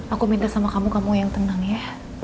aku minta sama kamu kamu yang tenang ya